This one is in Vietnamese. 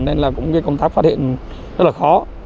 nên là cũng công tác phát hiện rất là khó